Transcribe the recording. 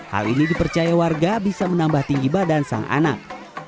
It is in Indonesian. hal ini dipercaya warga bisa menambah tinggi badan sang anak